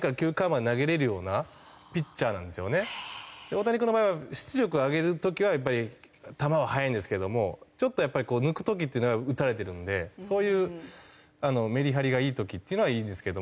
大谷君の場合は出力を上げる時はやっぱり球は速いんですけどもちょっとやっぱり抜く時っていうのは打たれてるんでそういうメリハリがいい時っていうのはいいんですけども。